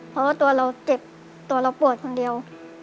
เพราะว่าตัวเราเจ็บตัวเราปวดคนเดียว